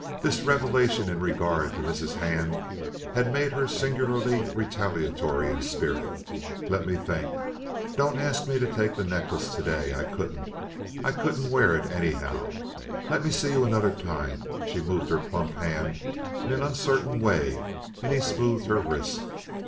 This revelation in regard to Mrs. Hand had made her singularly retaliatory in spirit. "Let me think. Don't ask me to take the necklace to day. I couldn't. I couldn't wear it, anyhow. Let me see you another time." She moved her plump hand in an uncertain way, and he smoothed her wrist.